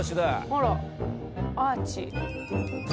あらアーチ。